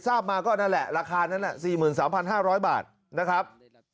พิจารณาตครับก็แน่นอนละละราคานั้นนะ๔๓๕๐๐บาทนะครับ